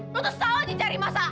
lo tuh selalu aja cari masalah